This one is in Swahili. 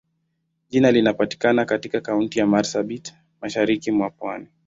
Jimbo linapatikana katika Kaunti ya Marsabit, Mashariki mwa nchi.